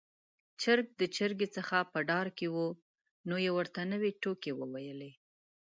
چرګ د چرګې څخه په ډار کې و، نو يې ورته نوې ټوکې وويلې.